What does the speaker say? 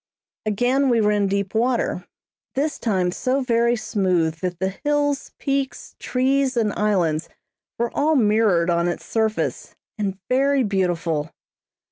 Again we were in deep water. This time so very smooth that the hills, peaks, trees and islands were all mirrored on its surface, and very beautiful.